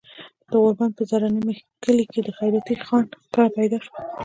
د غوربند پۀ زړه نومي کلي د خېراتي خان کره پيدا شو